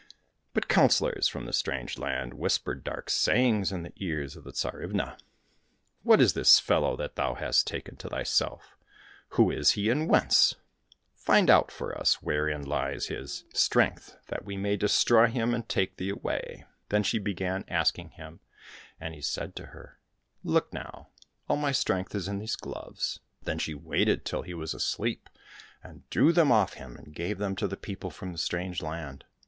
But counsellors from the strange land whispered dark sayings in the ears of the Tsarivna. " What is this fellow that thou hast taken to thyself } Who is he, and whence ? Find out for us wherein lies his 115 COSSACK FAIRY TALES strength, that we may destroy him and take thee away." — Then she began asking him, and he said to her, " Look now ! all my strength is in these gloves." Then she waited till he was asleep, and drew them off him, and gave them to the people from the strange land.